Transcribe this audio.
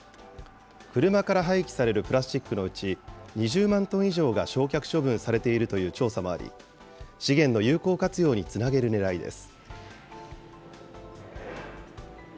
車から廃棄されるプラスチックのうち２０万トン以上が焼却処分されているという調査もあり、資源の有効活用につなげるねらいです。